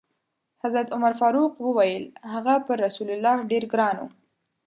حضرت عمر فاروق وویل: هغه پر رسول الله ډېر ګران و.